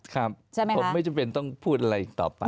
ครับผมไม่จำเป็นต้องพูดอะไรต่อไป